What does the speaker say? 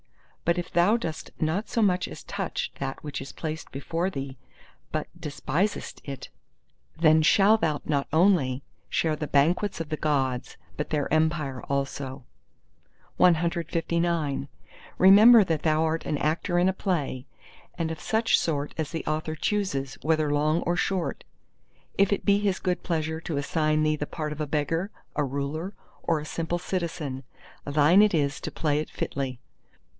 But if thou dost not so much as touch that which is placed before thee, but despisest it, then shalt thou not only share the Banquets of the Gods, but their Empire also. CLX Remember that thou art an actor in a play, and of such sort as the Author chooses, whether long or short. If it be his good pleasure to assign thee the part of a beggar, a ruler, or a simple citizen, thine it is to play it fitly.